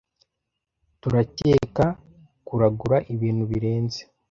Turakeka kuragura ibintu birenze,